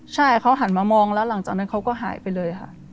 ใช่เขาหันมามองแล้วหลังจากนั้นเขาก็หายไปเลยค่ะ